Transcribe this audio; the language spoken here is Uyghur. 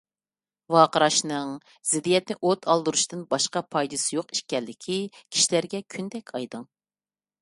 ۋارقىراشنىڭ زىددىيەتنى ئوت ئالدۇرۇشتىن باشقا پايدىسى يوق ئىكەنلىكى كىشىلەرگە كۈندەك ئايدىڭ.